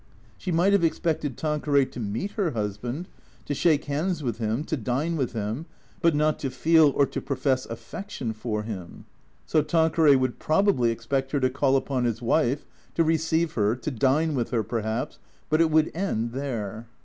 She might have expected Tanqueray to meet her husband, to shake hands with him, to dine with him, but not to feel or to profess affection for him. So Tanqueray would probably expect her to call upon his wife, to receive her, to dine with her, perhaps, but it would end there.